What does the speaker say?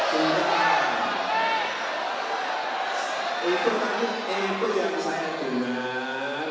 sudah itu tadi itu yang saya dengar